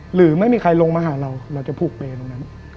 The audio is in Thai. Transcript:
หรือไม่มีใครลงมาหาเราเราจะผูกเปรย์ตรงนั้น